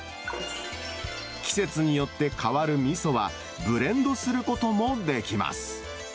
季節によって変わるみそは、ブレンドすることもできます。